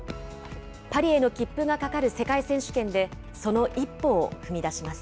パリへの切符がかかる世界選手権で、その一歩を踏み出します。